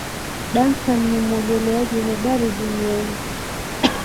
Duncan ni mwogeleaji hodari duniani.